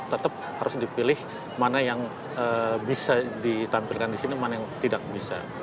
tetap harus dipilih mana yang bisa ditampilkan di sini mana yang tidak bisa